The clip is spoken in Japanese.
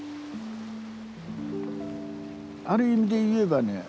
ある意味で言えばね